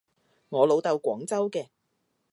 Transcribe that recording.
我老豆廣州嘅